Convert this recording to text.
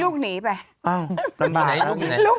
ลูกหัว